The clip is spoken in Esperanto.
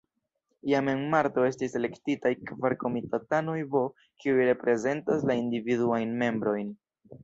Jam en marto estis elektitaj kvar komitatanoj B, kiuj reprezentas la individuajn membrojn.